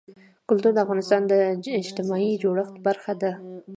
کلتور د افغانستان د اجتماعي جوړښت برخه ده.